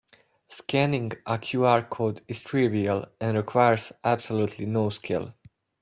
Scanning a QR code is trivial and requires absolutely no skill.